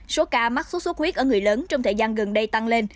số ca mắc sốt xuất huyết ở người lớn trong thời gian gần đây tăng lên